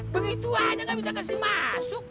begitu aja gak bisa kasih masuk